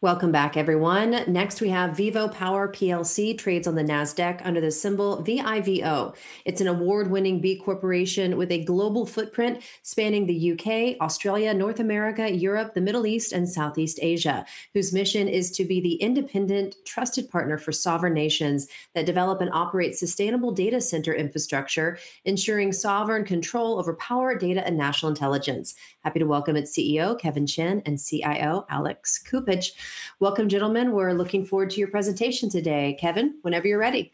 Welcome back everyone. Next we have VivoPower PLC, trades on the NASDAQ under the symbol VIVO. It's an award-winning B Corporation with a global footprint spanning the U.K., Australia, North America, Europe, the Middle East, and Southeast Asia, whose mission is to be the independent trusted partner for sovereign nations that develop and operate sustainable data center infrastructure, ensuring sovereign control over power, data, and national intelligence. Happy to welcome its CEO, Kevin Chin, and CIO, Alex Cuppage. Welcome gentlemen. We're looking forward to your presentation today. Kevin, whenever you're ready.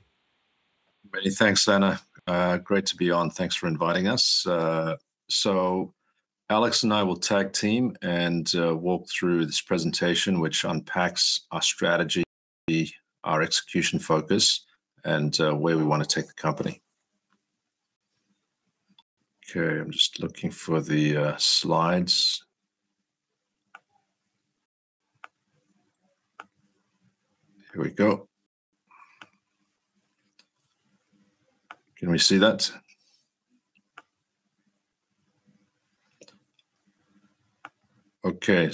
Many thanks, Anna. Great to be on. Thanks for inviting us. Alex and I will tag team and walk through this presentation which unpacks our strategy, our execution focus, and where we wanna take the company. Okay, I'm just looking for the slides. Here we go. Can we see that? Okay.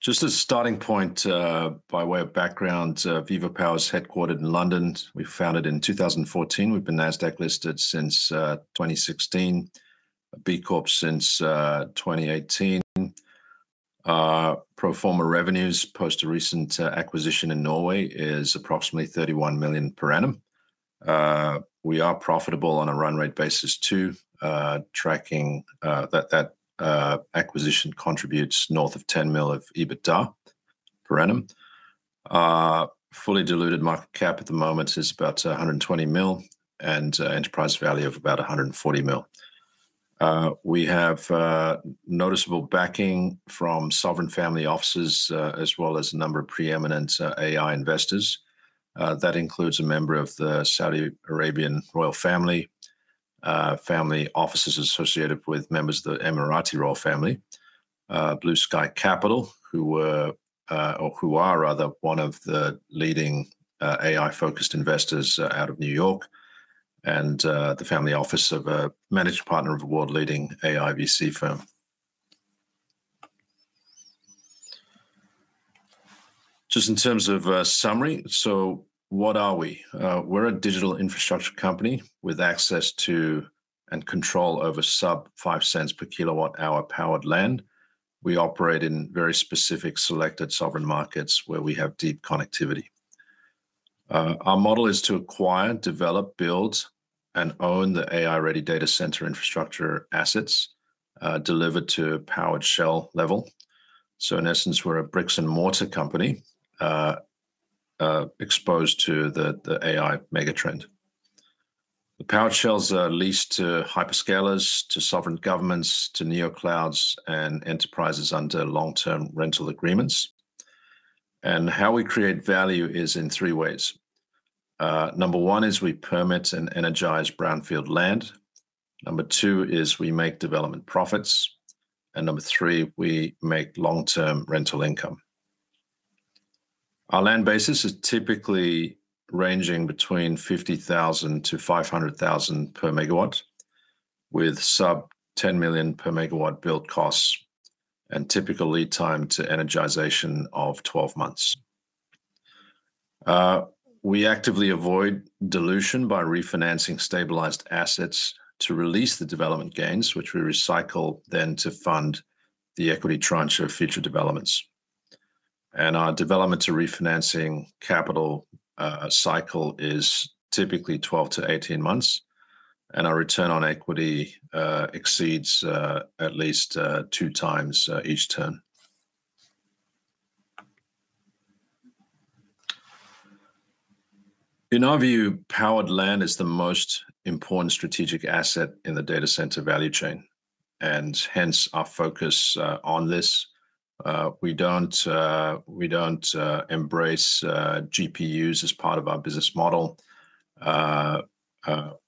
Just as a starting point, by way of background, VivoPower is headquartered in London. We founded in 2014. We've been NASDAQ listed since 2016, B Corp since 2018. Pro forma revenues, post a recent acquisition in Norway, is approximately 31 million per annum. We are profitable on a run rate basis too. Tracking that acquisition contributes north of 10 million of EBITDA per annum. Fully diluted market cap at the moment is about 120 million, and enterprise value of about 140 million. We have noticeable backing from sovereign family offices, as well as a number of pre-eminent AI investors. That includes a member of the Saudi Arabian royal family offices associated with members of the Emirati royal family. Bluesky Capital who were, or who are rather one of the leading AI-focused investors, out of New York and the family office of a managed partner of a world-leading AI VC firm. Just in terms of a summary, what are we? We're a digital infrastructure company with access to and control over sub 0.05 per kilowatt hour powered land. We operate in very specific selected sovereign markets where we have deep connectivity. Our model is to acquire, develop, build, and own the AI-ready data center infrastructure assets delivered to a powered shell level. In essence, we're a bricks-and-mortar company exposed to the AI mega trend. The powered shells are leased to hyperscalers, to sovereign governments, to neo clouds and enterprises under long-term rental agreements. How we create value is in three ways. Number one is we permit and energize brownfield land. Number two is we make development profits. Number three, we make long-term rental income. Our land basis is typically ranging between 50,000-500,000 per megawatt, with sub 10 million per megawatt build costs and typical lead time to energization of 12 months. We actively avoid dilution by refinancing stabilized assets to release the development gains, which we recycle then to fund the equity tranche of future developments. Our development to refinancing capital cycle is typically 12-18 months, and our return on equity exceeds at least 2x each turn. In our view, powered land is the most important strategic asset in the data center value chain, and hence our focus on this. We don't embrace GPUs as part of our business model.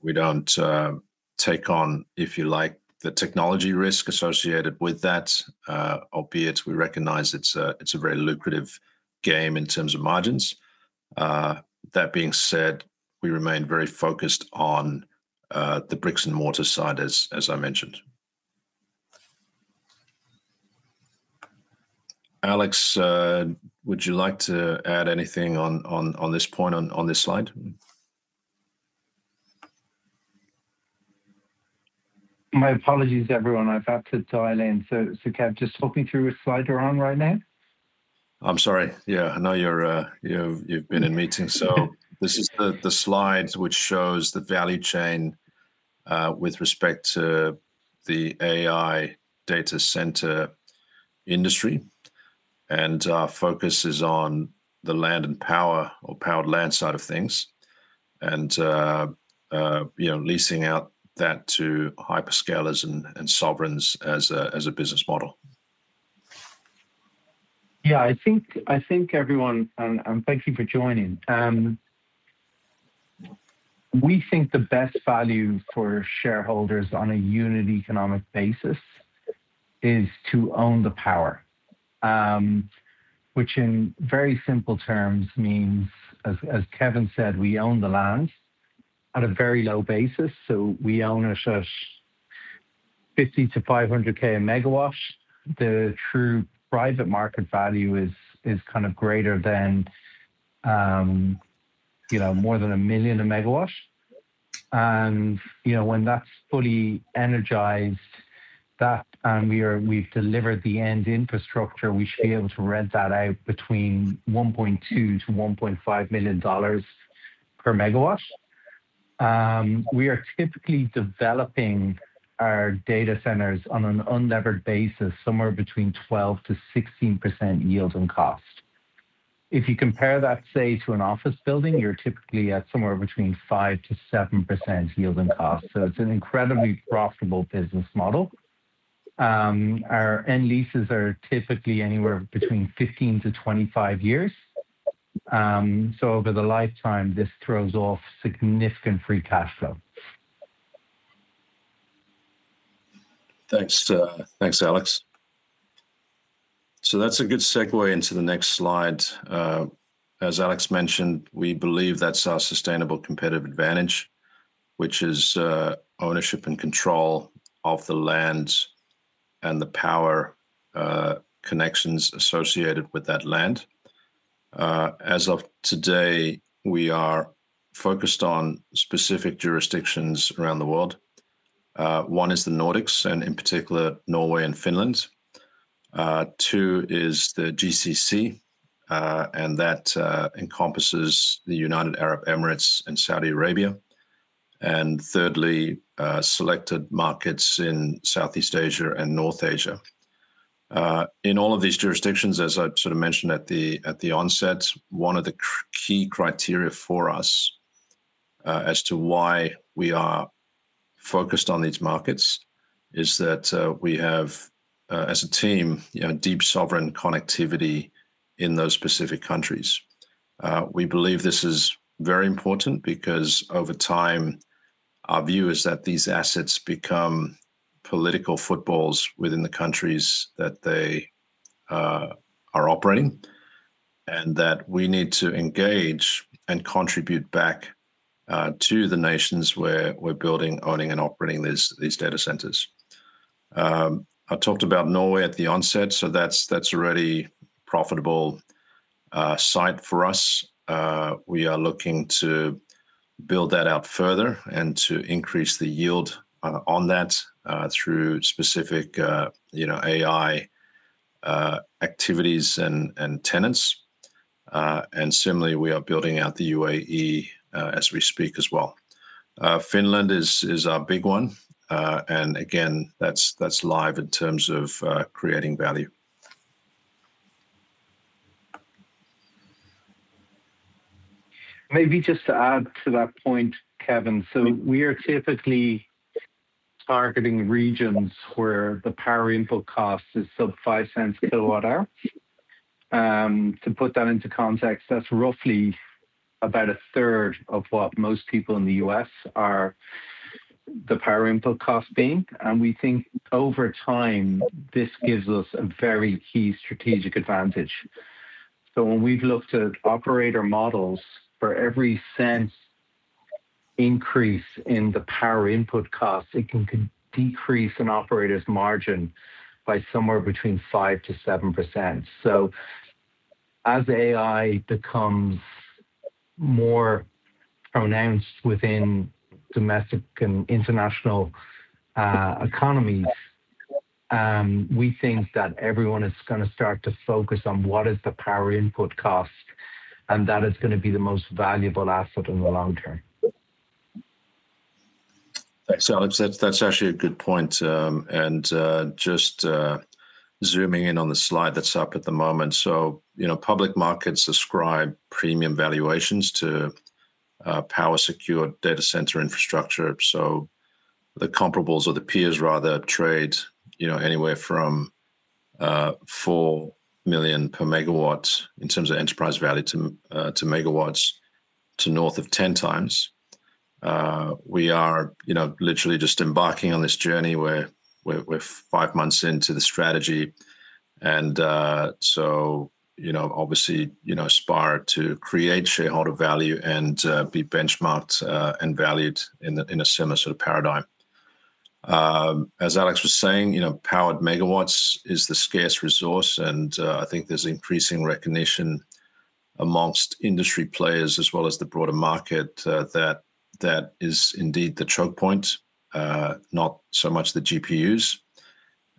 We don't take on, if you like, the technology risk associated with that, albeit we recognize it's a very lucrative game in terms of margins. That being said, we remain very focused on the bricks-and-mortar side as I mentioned. Alex, would you like to add anything on this point on this slide? My apologies everyone. I've had to dial in. Kev, just talk me through what slide you're on right now? I'm sorry. Yeah, I know you're, you've been in meetings. This is the slide which shows the value chain with respect to the AI data center industry, our focus is on the land and power or powered land side of things, you know, leasing out that to hyperscalers and sovereigns as a business model. Yeah, I think everyone and thank you for joining. We think the best value for shareholders on a unit economic basis is to own the power, which in very simple terms means, as Kevin said, we own the land at a very low basis. We own it at 50,000-500,000 a megawatt. The true private market value is kind of greater than 1 million a megawatt. When that's fully energized, we've delivered the end infrastructure, we should be able to rent that out between $1.2 million-$1.5 million per megawatt. We are typically developing our data centers on an unlevered basis somewhere between 12%-16% yield on cost. If you compare that, say, to an office building, you're typically at somewhere between 5%-7% yield on cost. It's an incredibly profitable business model. Our end leases are typically anywhere between 15 to 25 years. Over the lifetime, this throws off significant free cash flow. Thanks, thanks Alex. That's a good segue into the next slide. As Alex mentioned, we believe that's our sustainable competitive advantage, which is, ownership and control of the land and the power, connections associated with that land. As of today, we are focused on specific jurisdictions around the world. One is the Nordics, and in particular, Norway and Finland. Two is the GCC, and that encompasses the United Arab Emirates and Saudi Arabia. Thirdly, selected markets in Southeast Asia and North Asia. In all of these jurisdictions, as I sort of mentioned at the, at the onset, one of the key criteria for us, as to why we are focused on these markets is that, we have, as a team, you know, deep sovereign connectivity in those specific countries. We believe this is very important because over time our view is that these assets become political footballs within the countries that they are operating, and that we need to engage and contribute back to the nations where we're building, owning, and operating these data centers. I talked about Norway at the onset, that's already profitable site for us. We are looking to build that out further and to increase the yield on that through specific, you know, AI activities and tenants. Similarly, we are building out the UAE as we speak as well. Finland is our big one. Again, that's live in terms of creating value. Maybe just to add to that point, Kevin. We are typically targeting regions where the power input cost is sub $0.05 kWh. To put that into context, that's roughly about a third of what most people in the U.S. are, the power input cost being. We think over time this gives us a very key strategic advantage. When we've looked at operator models, for every cent increase in the power input cost, it can decrease an operator's margin by somewhere between 5%-7%. As AI becomes more pronounced within domestic and international economies, we think that everyone is going to start to focus on what is the power input cost, and that is going to be the most valuable asset in the long term. Thanks, Alex. That's actually a good point. Just zooming in on the slide that's up at the moment. You know, public markets ascribe premium valuations to power secured data center infrastructure. The comparables or the peers rather trade, you know, anywhere from 4 million per megawatt in terms of enterprise value to megawatts to north of 10 times. We are, you know, literally just embarking on this journey. We're five months into the strategy, you know, obviously, you know, aspire to create shareholder value and be benchmarked and valued in a similar sort of paradigm. As Alex was saying, you know, powered megawatts is the scarce resource, and I think there's increasing recognition amongst industry players as well as the broader market, that that is indeed the choke point, not so much the GPUs.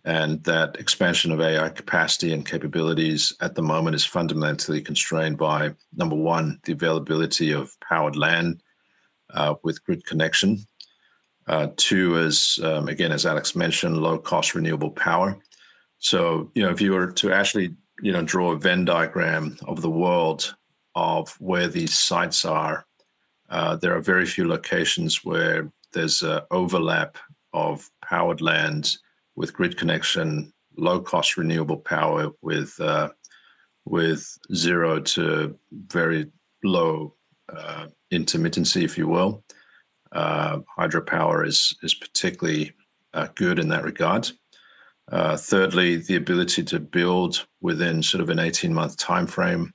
That expansion of AI capacity and capabilities at the moment is fundamentally constrained by, number one, the availability of powered land, with grid connection. Two is, again, as Alex mentioned, low cost renewable power. You know, if you were to actually, you know, draw a Venn diagram of the world of where these sites are, there are very few locations where there's a overlap of powered lands with grid connection, low cost renewable power with zero to very low intermittency, if you will. Hydropower is particularly good in that regard. Thirdly, the ability to build within sort of an 18-month timeframe.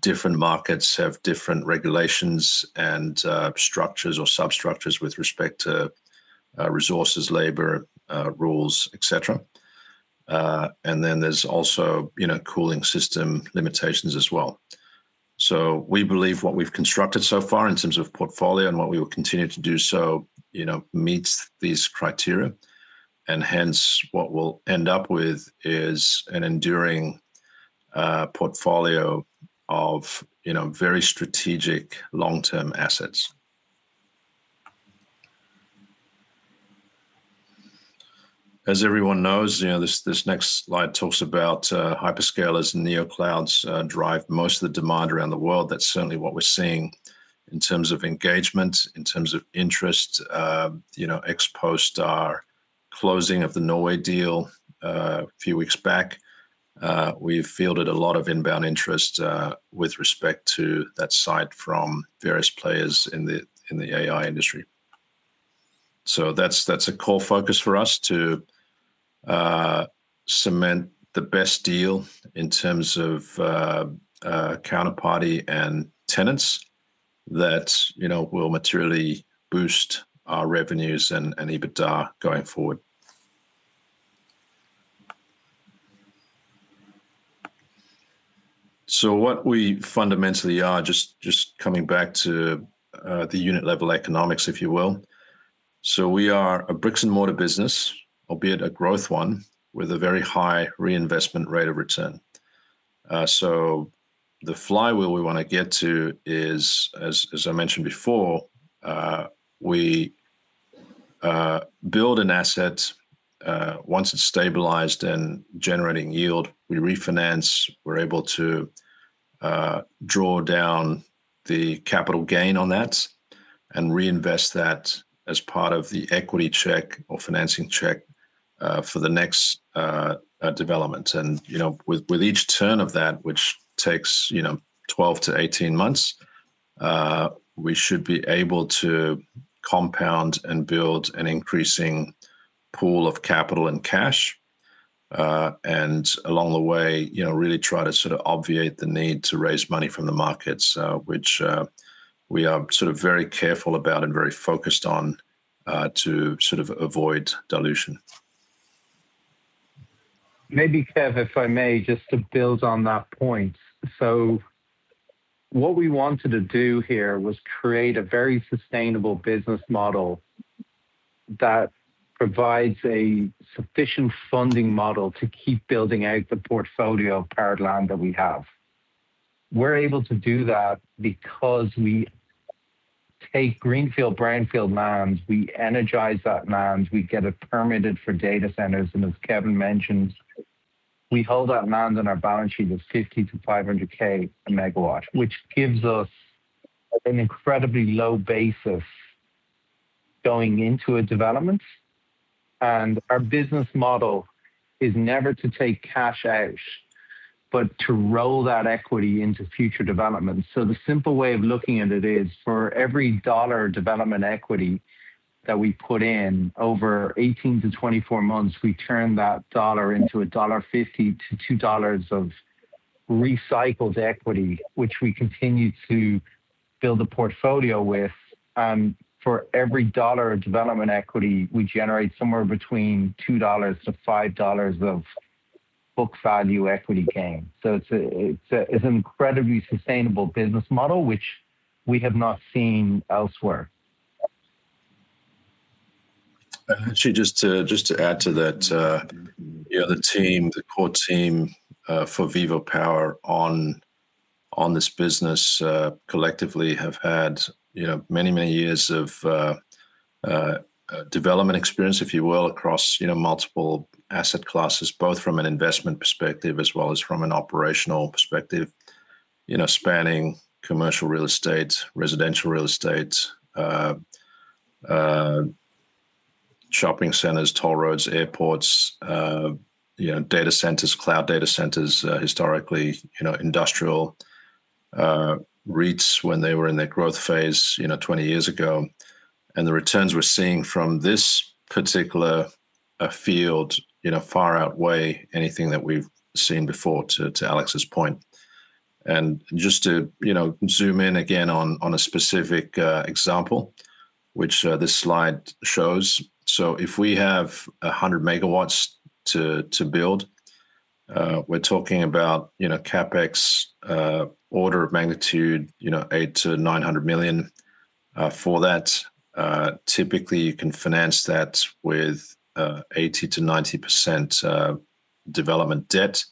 Different markets have different regulations and structures or substructures with respect to resources, labor, rules, et cetera. Then there's also, you know, cooling system limitations as well. So we believe what we've constructed so far in terms of portfolio and what we will continue to do so, you know, meets these criteria. Hence, what we'll end up with is an enduring portfolio of, you know, very strategic long-term assets. As everyone knows, you know, this next slide talks about hyperscalers and neo clouds drive most of the demand around the world. That's certainly what we're seeing in terms of engagement, in terms of interest. You know, ex-post our closing of the Norway deal a few weeks back, we've fielded a lot of inbound interest with respect to that site from various players in the AI industry. That's, that's a core focus for us to cement the best deal in terms of counterparty and tenants that, you know, will materially boost our revenues and EBITDA going forward. What we fundamentally are, just coming back to the unit level economics, if you will. We are a bricks-and-mortar business, albeit a growth one, with a very high reinvestment rate of return. The flywheel we wanna get to is, as I mentioned before, we build an asset. Once it's stabilized and generating yield, we refinance. We're able to draw down the capital gain on that and reinvest that as part of the equity check or financing check for the next development. You know, with each turn of that, which takes, you know, 12 to 18 months, we should be able to compound and build an increasing pool of capital and cash. Along the way, you know, really try to sort of obviate the need to raise money from the markets, which we are sort of very careful about and very focused on to sort of avoid dilution. Maybe, Kevin, if I may, just to build on that point. What we wanted to do here was create a very sustainable business model that provides a sufficient funding model to keep building out the portfolio of powered land that we have. We're able to do that because we take greenfield/brownfield lands, we energize that land, we get it permitted for data centers. As Kevin mentioned, we hold that land on our balance sheet of 50,000-500,000 a megawatt, which gives us an incredibly low base of going into a development. Our business model is never to take cash out, but to roll that equity into future developments. The simple way of looking at it is, for every GBP 1 of development equity that we put in, over 18 to 24 months, we turn that GBP 1 into GBP 1.50-GBP 2 of recycled equity, which we continue to build a portfolio with. For every GBP 1 of development equity, we generate somewhere between GBP 2-GBP 5 of book value equity gain. It's an incredibly sustainable business model, which we have not seen elsewhere. Actually, just to, just to add to that the team, the core team, for VivoPower on this business, collectively have had, you know, many, many years of development experience, if you will, across multiple asset classes, both from an investment perspective as well as from an operational perspective. You know, spanning commercial real estate, residential real estate, shopping centers, toll roads, airports, data centers, cloud data centers, historically, you know, industrial, REITs when they were in their growth phase, you know, 20 years ago. The returns we're seeing from this particular field, you know, far outweigh anything that we've seen before, to Alex's point. Just to, you know, zoom in again on a specific example, which this slide shows. If we have 100 MW to build, we're talking about CapEx order of magnitude 800 million-900 million for that. Typically you can finance that with 80%-90% development debt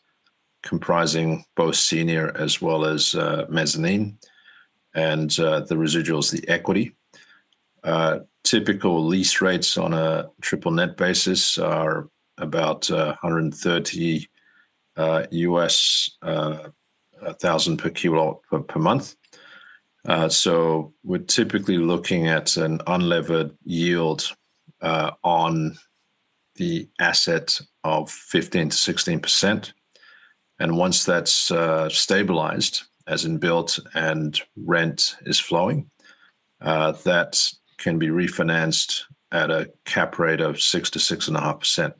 comprising both senior as well as mezzanine and the residuals, the equity. Typical lease rates on a Triple Net basis are about $130 thousand per kilowatt per month. We're typically looking at an unlevered yield on the asset of 15%-16%. Once that's stabilized, as in built and rent is flowing, that can be refinanced at a cap rate of 6%-6.5%.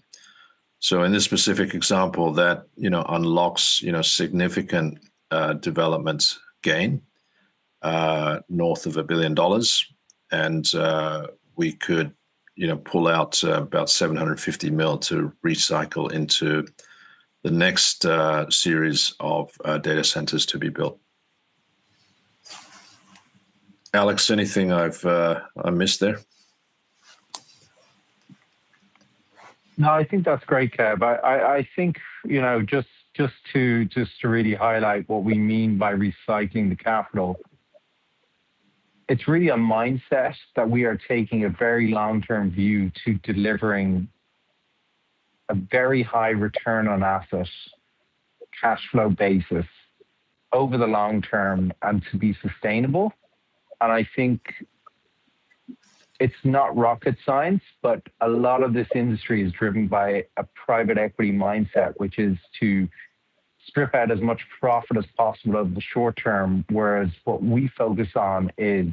In this specific example that, you know, unlocks, you know, significant development gain north of $1 billion and we could, you know, pull out about $750 million to recycle into the next series of data centers to be built. Alex, anything I've, I missed there? No, I think that's great, Kevin. I think just to really highlight what we mean by recycling the capital, it's really a mindset that we are taking a very long-term view to delivering a very high return on assets, cash flow basis over the long term and to be sustainable. I think it's not rocket science, but a lot of this industry is driven by a private equity mindset, which is to strip out as much profit as possible over the short term, whereas what we focus on is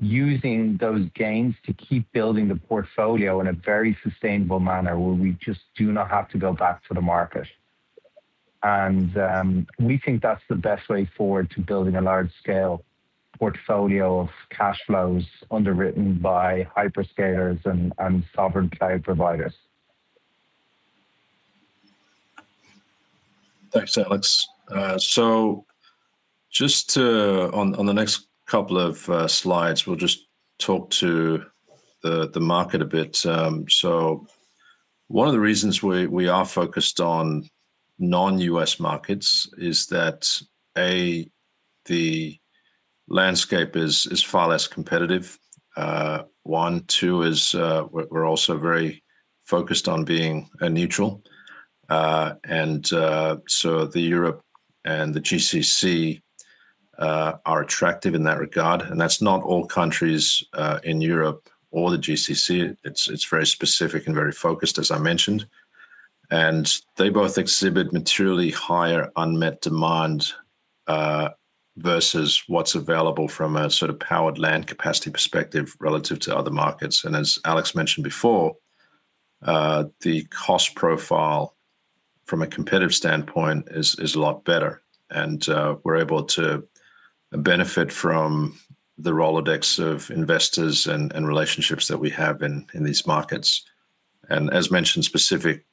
using those gains to keep building the portfolio in a very sustainable manner where we just do not have to go back to the market. We think that's the best way forward to building a large scale portfolio of cash flows underwritten by hyperscalers and sovereign cloud providers. Thanks, Alex. Just on the next couple of slides, we'll just talk to the market a bit. One of the reasons we are focused on non-U.S. markets is that, A, the landscape is far less competitive, one. Two is, we're also very focused on being a neutral. The Europe and the GCC are attractive in that regard, and that's not all countries in Europe or the GCC. It's very specific and very focused, as I mentioned. They both exhibit materially higher unmet demand versus what's available from a sort of powered land capacity perspective relative to other markets. As Alex mentioned before, the cost profile from a competitive standpoint is a lot better. We're able to benefit from the Rolodex of investors and relationships that we have in these markets. As mentioned, specific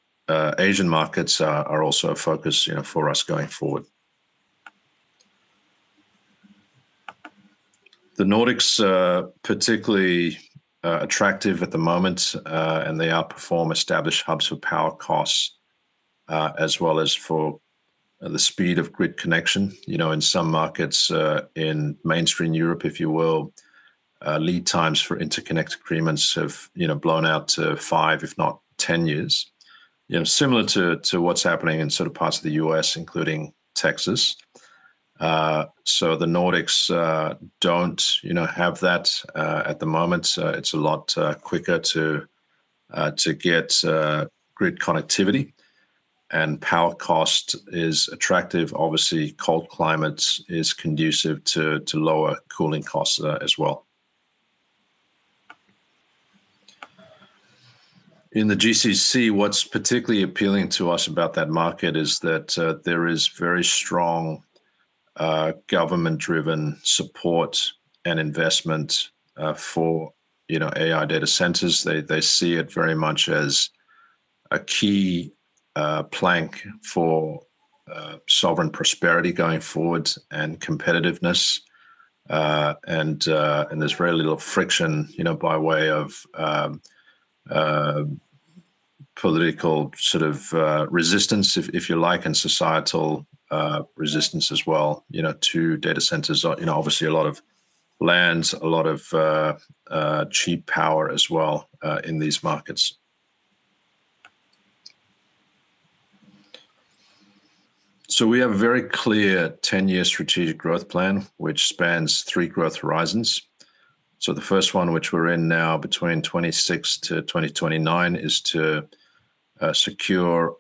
Asian markets are also a focus, you know, for us going forward. The Nordics are particularly attractive at the moment, and they outperform established hubs for power costs, as well as for the speed of grid connection. You know, in some markets, in mainstream Europe, if you will, lead times for interconnect agreements have, you know, blown out to five, if not 10 years. You know, similar to what's happening in sort of parts of the U.S., including Texas. The Nordics don't, you know, have that at the moment. It's a lot quicker to get grid connectivity and power cost is attractive. Obviously, cold climates is conducive to lower cooling costs as well. In the GCC, what's particularly appealing to us about that market is that there is very strong government-driven support and investment for, you know, AI data centers. They see it very much as a key plank for sovereign prosperity going forward and competitiveness. There's very little friction, you know, by way of political sort of resistance, if you like, and societal resistance as well, you know, to data centers. You know, obviously a lot of lands, a lot of cheap power as well in these markets. We have a very clear 10-year strategic growth plan, which spans three growth horizons. The first one, which we're in now between 2026-2029, is to secure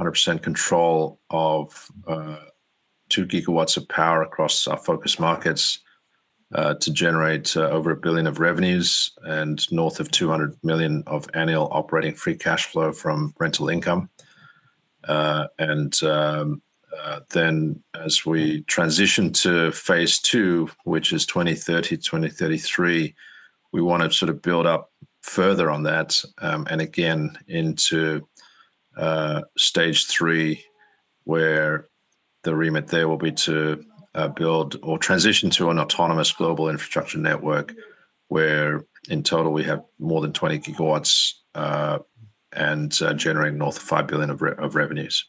100% control of 2 GW of power across our focus markets, to generate over 1 billion of revenues and north of 200 million of annual operating free cash flow from rental income. Then as we transition to phase II, which is 2030-2033, we wanna sort of build up further on that, and again, into stage III, where the remit there will be to build or transition to an autonomous global infrastructure network where in total we have more than 20 GW, and generating north of 5 billion of revenues.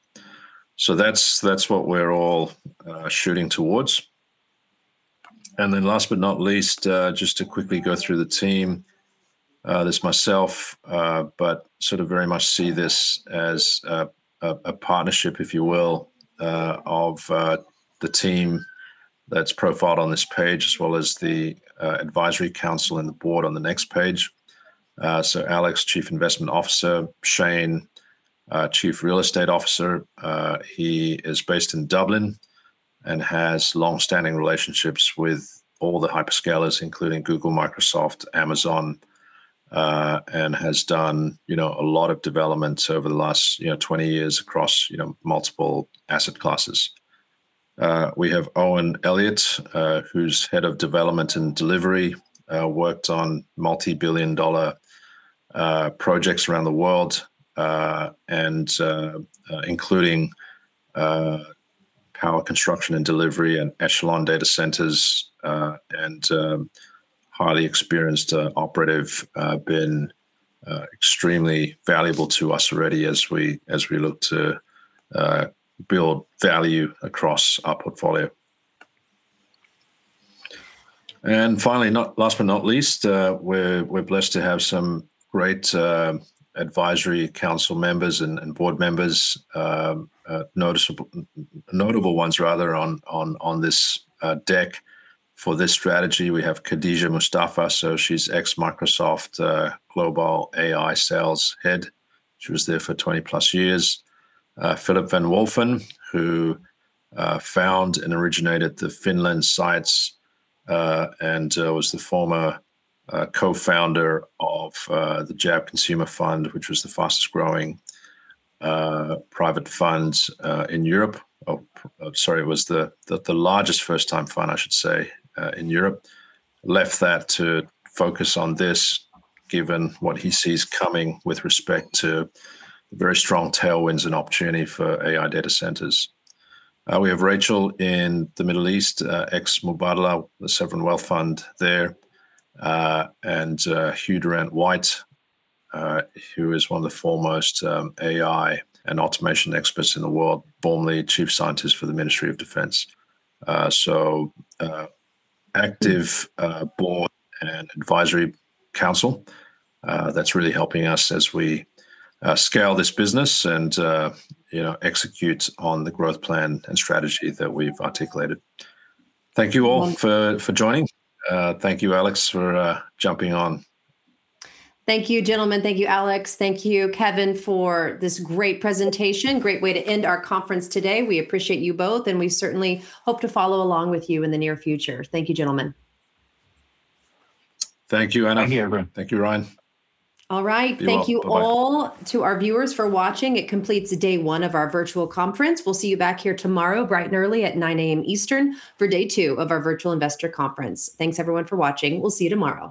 That's what we're all shooting towards. Then last but not least, just to quickly go through the team. There's myself, but sort of very much see this as a partnership, if you will, of the team that's profiled on this page, as well as the advisory council and the board on the next page. Alex, Chief Investment Officer, Shane, Chief Real Estate Officer. He is based in Dublin and has longstanding relationships with all the hyperscalers, including Google, Microsoft, Amazon, and has done, you know, a lot of developments over the last, you know, 20 years across, you know, multiple asset classes. We have Owen Elliott, who's Head of Development and Delivery, worked on multi-billion dollar projects around the world. Including power construction and delivery and Echelon Data Centres, and highly experienced operative, been extremely valuable to us already as we look to build value across our portfolio. Finally, not last but not least, we're blessed to have some great advisory council members and board members, notable ones rather on this deck. For this strategy, we have Khadija Mustafa, so she's ex-Microsoft, global AI sales head. She was there for 20+ years. Philip von Wulffen, who found and originated the Finland sites, and was the former co-founder of the JAB Consumer Fund, which was the fastest growing private fund in Europe. Sorry, it was the largest first-time fund, I should say, in Europe. Left that to focus on this, given what he sees coming with respect to very strong tailwinds and opportunity for AI data centers. We have Rachel in the Middle East, ex-Mubadala, the sovereign wealth fund there. Hugh Durrant-Whyte, who is one of the foremost AI and automation experts in the world, formerly Chief Scientist for the Ministry of Defence. Active board and advisory council that's really helping us as we scale this business, you know, execute on the growth plan and strategy that we've articulated. Thank you all for joining. Thank you, Alex, for jumping on. Thank you, gentlemen. Thank you, Alex. Thank you, Kevin, for this great presentation. Great way to end our conference today. We appreciate you both, and we certainly hope to follow along with you in the near future. Thank you, gentlemen. Thank you, Anna. Thank you, everyone. All right. Thank you all to our viewers for watching. It completes day one of our virtual conference. We'll see you back here tomorrow, bright and early at 9:00 A.M. Eastern for day two of our virtual investor conference. Thanks, everyone, for watching. We'll see you tomorrow.